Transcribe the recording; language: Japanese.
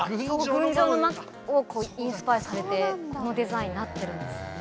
群青の間をインスパイアされてこのデザインになってるんですよね。